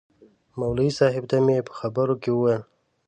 مولوي صاحب ته مې په خبرو کې ویل.